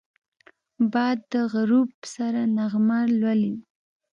باد د غروب سره نغمه لولي